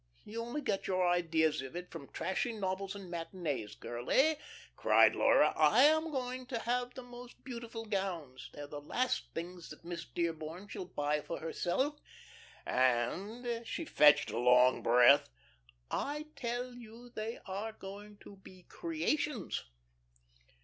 You only get your ideas of it from trashy novels and matinees. Girlie," cried Laura, "I am going to have the most beautiful gowns. They're the last things that Miss Dearborn shall buy for herself, and" she fetched a long breath "I tell you they are going to be creations."